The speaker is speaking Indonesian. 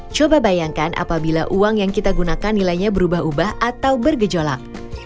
coba bayangkan apabila uang yang kita gunakan nilainya berubah ubah atau bergejolak